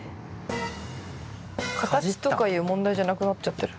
形とかいう問題じゃなくなっちゃってる。